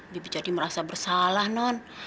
bibit jadi merasa bersalah non